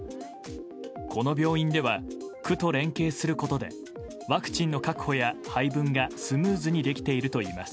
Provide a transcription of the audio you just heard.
この病院では区と連携することでワクチンの確保や配分がスムーズにできているといいます。